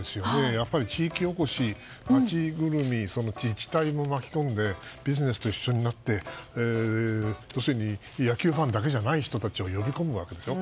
やっぱり地域おこし、町ぐるみで自治体も巻き込んでビジネスと一緒になって要するに野球ファンだけじゃない人たちを呼び込むわけでしょ。